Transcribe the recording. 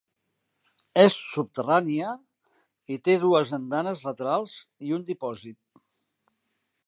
És subterrània i té dues andanes laterals i un dipòsit.